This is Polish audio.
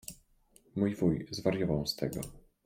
Mój wuj zwariował z tego.